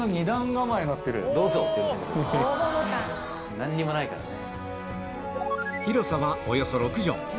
何もないからね。